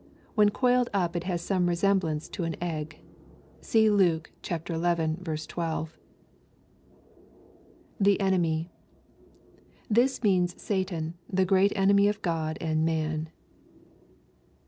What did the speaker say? When coiled up it has some resemblance to an egg, (See Luke xi. 12.) [The enemy.] This means Satan, the great enemy of God and man.